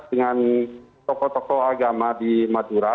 dengan tokoh tokoh agama di madura